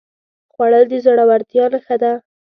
خوړل د زړورتیا نښه ده